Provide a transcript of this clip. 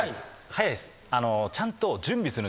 早いです。